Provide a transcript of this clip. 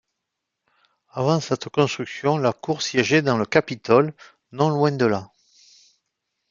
Avant cette construction, la cour siégeait dans le Capitole, non loin de là.